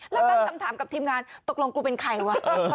แล้วตั้งคำถามกับทีมงานตกลงกูเป็นใครวะ